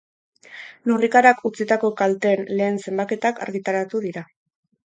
Lurrikarak utzitako kalteen lehen zenbaketak argitaratu dira.